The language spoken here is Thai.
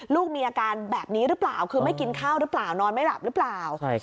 ลูกมีอาการแบบนี้หรือเปล่าคือไม่กินข้าวหรือเปล่านอนไม่หลับหรือเปล่า